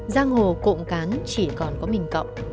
giang hồ cộng cán chỉ còn có mình cậu